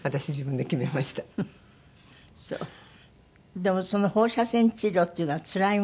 でもその放射線治療っていうのはつらいものなの？